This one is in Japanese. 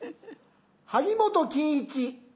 萩本欽一。